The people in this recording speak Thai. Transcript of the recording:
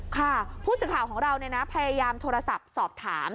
ค่ะผู้สื่อข่าวของเราพยายามโทรศัพท์สอบถาม